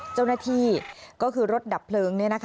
เจ้าหน้าที่ก็คือรถดับเพลิงเนี่ยนะคะ